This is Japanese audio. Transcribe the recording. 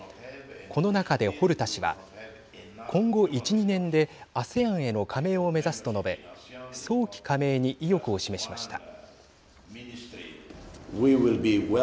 この中でホルタ氏は今後１、２年でＡＳＥＡＮへの加盟を目指すと述べ早期加盟に意欲を示しました。